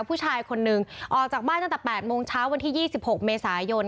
ผู้ชายคนหนึ่งออกจากบ้านตั้งแต่๘โมงเช้าวันที่๒๖เมษายน